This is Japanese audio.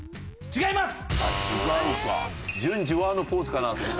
違います。